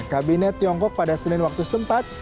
kabinet tiongkok pada senin waktu setempat